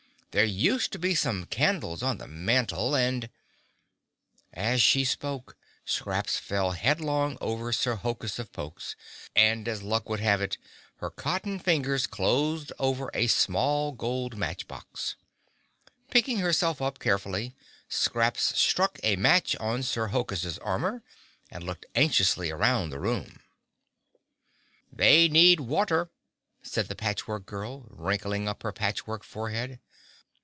There used to be some candles on the mantel and—" As she spoke, Scraps fell headlong over Sir Hokus of Pokes and as luck would have it her cotton fingers closed over a small gold match box. Picking herself up carefully, Scraps struck a match on Sir Hokus' armor and looked anxiously around the room. "They need water," said the Patch Work Girl, wrinkling up her patchwork forehead.